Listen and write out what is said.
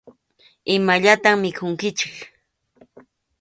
Imallatam mikhunkichik.